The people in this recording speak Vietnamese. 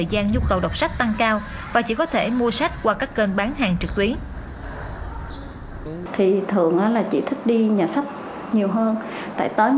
và những đọc giả trung thành này thì họ có những cái kết nối rất là chặt chẽ với an book